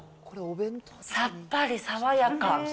さっぱり爽やか。